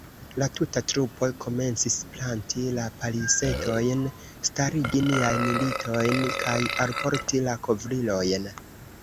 La tuta trupo komencis planti la palisetojn, starigi niajn litojn kaj alporti la kovrilojn.